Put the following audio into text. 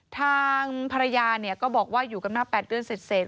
ทางภรรยาเนี่ยก็บอกว่าอยู่กำหน้า๘เดือนเศษ